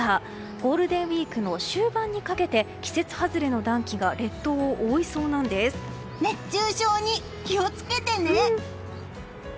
ゴールデンウィークの終盤にかけて季節外れの暖気が熱中症に気を付けてね！